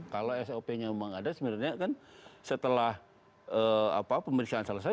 kalau sop nya memang ada sebenarnya kan setelah pemeriksaan selesai